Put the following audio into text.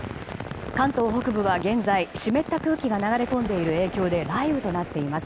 関東北部は現在、湿った空気が流れ込んでいる影響で雷雨となっています。